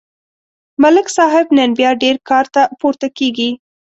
ملک صاحب نن بیا ډېر کارته پورته کېږي.